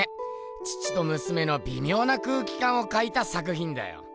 父とむすめのびみょうな空気かんを描いた作ひんだよ。